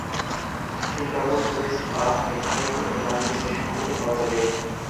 Singapore tourist pass নির্ধারিত MRT স্টেশনগুলিতে পাওয়া যাবে।